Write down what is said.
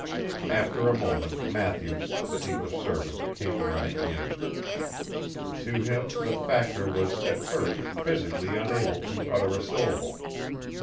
After a moment Matthews, the English servant, came running in. To him the Factor was at first physically unable to utter a syllable.